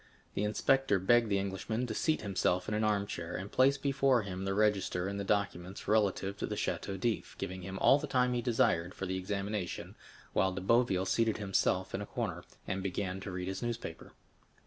The inspector begged the Englishman to seat himself in an armchair, and placed before him the register and documents relative to the Château d'If, giving him all the time he desired for the examination, while De Boville seated himself in a corner, and began to read his newspaper.